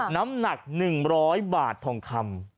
น้ำหนัก๑๐๐บาททองคำ